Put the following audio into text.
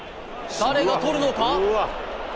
誰が捕るのか？